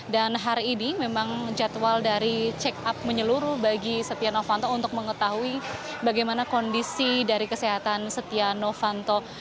dan hari ini memang jadwal dari check up menyeluruh bagi setia novanto untuk mengetahui bagaimana kondisi dari kesehatan setia novanto